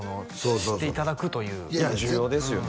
知っていただくといういや重要ですよね